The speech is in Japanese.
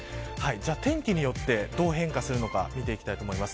天気によってどう変化するのか見ていきたいと思います。